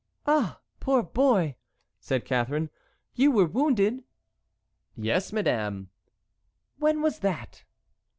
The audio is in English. "Ah, poor boy!" said Catharine, "you were wounded?" "Yes, madame." "When was that?"